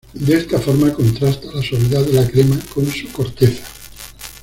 De esta forma contrasta la suavidad de la crema con su corteza.